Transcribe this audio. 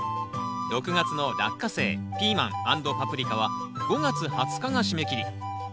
６月の「ラッカセイ」「ピーマン＆パプリカ」は５月２０日が締め切り。